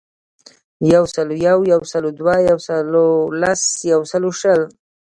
یوسلویو, یوسلودوه, یوسلولس, یوسلوشل